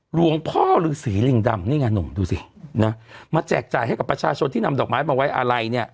หลวงพ่อฤษีลิงดำนี่ไงหนุ่มดูสินะมาแจกจ่ายให้กับประชาชนที่นำดอกไม้มาไว้อะไรเนี่ย